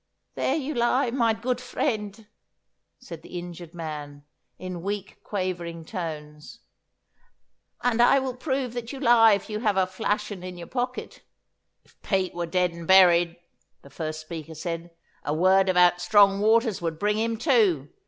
'There you lie, mine goot vriend,' said the injured man, in weak, quavering tones. 'And I will prove that you lie if you have a flaschen in your pocket.' 'If Pete were dead and buried,' the first speaker said, 'a word about strong waters would bring him to.